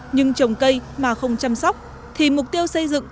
nhưng trồng cây mà không chăm sóc thì mục tiêu xây dựng